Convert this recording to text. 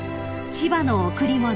［『千葉の贈り物』